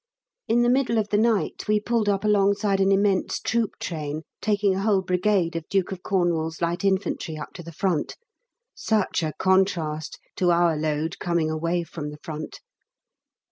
In the middle of the night we pulled up alongside an immense troop train, taking a whole Brigade of D. of Cornwall's L.I. up to the front, such a contrast to our load coming away from the front.